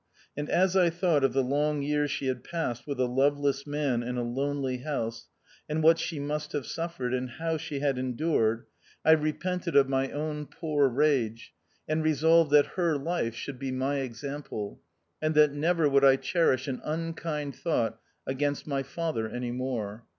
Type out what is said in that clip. And as I thought of the long years she had passed with a loveless man in a lonely house, and what she must have suf fered, and how she had endured, I repented 136 THE OUTCAST. of my own poor rage, and resolved that her life should be my example, and that never would I cherish an unkind thought against my father any more.